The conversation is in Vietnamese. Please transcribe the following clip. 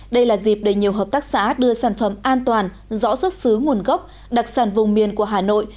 đây là dịp để nhiều hợp tác xã đưa sản phẩm an toàn rõ xuất xứ nguồn gốc đặc sản vùng miền của hà nội